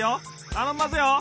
たのんますよ！